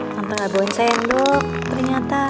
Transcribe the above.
tante gak bohong sendok ternyata